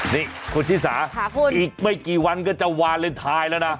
นี่คุณธิสาอีกไม่กี่วันก็จะวานเลนทายแล้วนะขาพุน